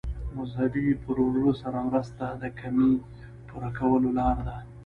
مذهبي پروژو سره مرسته د کمۍ پوره کولو لاره ده.